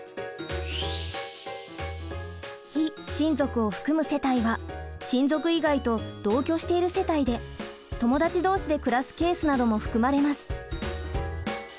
非親族を含む世帯は親族以外と同居している世帯で友達同士で暮らすケースなども含まれます。